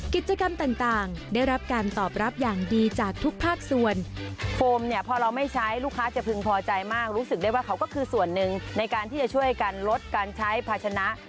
กิจกรรมต่างได้รับการตอบรับอย่างดีจากทุกภาคส่วน